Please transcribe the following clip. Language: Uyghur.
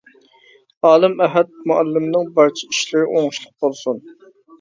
ئالىم ئەھەت مۇئەللىمنىڭ بارچە ئىشلىرى ئوڭۇشلۇق بولسۇن!